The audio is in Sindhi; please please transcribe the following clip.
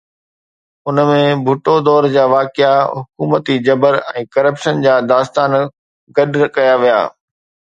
ان ۾ ڀٽو دور جا واقعا، حڪومتي جبر ۽ ڪرپشن جا داستان گڏ ڪيا ويا.